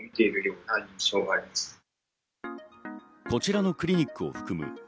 こちらのクリニックを含む